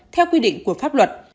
theo quy định của pháp luật